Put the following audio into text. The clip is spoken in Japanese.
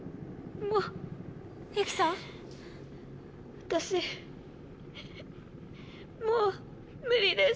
☎私もう無理です。